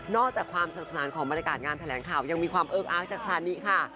อกจากความสนุกสนานของบรรยากาศงานแถลงข่าวยังมีความเอิ๊กอาร์กจากชานิค่ะ